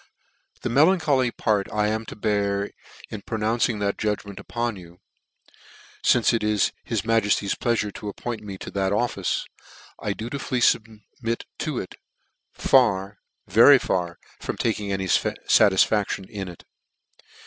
c< The melancholy part 1 am to bear, in pro nouncing that judgment upon you, fmce it is his majefty's pleafure to appoint me to that office, I dutifully fubmit to it : far, very far, from taking any fatisfaction in it.